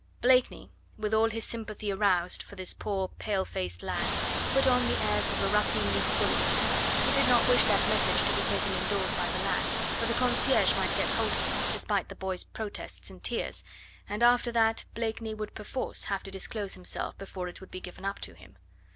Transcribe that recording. Blakeney, with all his sympathy aroused for this poor pale faced lad, put on the airs of a ruffianly bully. He did not wish that message to be taken indoors by the lad, for the concierge might get hold of it, despite the boy's protests and tears, and after that Blakeney would perforce have to disclose himself before it would be given up to him.